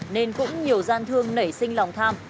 nên cũng nhiều gian thương nảy sinh lòng tham